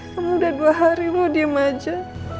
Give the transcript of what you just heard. kamu udah dua hari lo diem aja